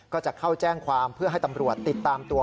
ก็จะเข้าแจ้งความเพื่อให้ตำรวจติดตามตัว